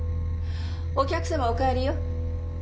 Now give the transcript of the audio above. お客様お帰りよ。